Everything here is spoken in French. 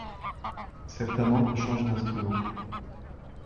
Certains membres changent d'instrument.